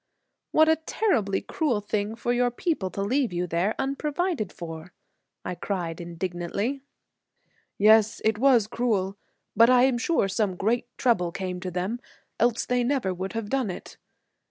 "What a terribly cruel thing for your people to leave you there unprovided for!" I cried, indignantly. "Yes, it was cruel, but I am sure some great trouble came to them else they never would have done it.